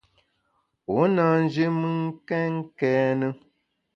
U na nji mùn kèn kène.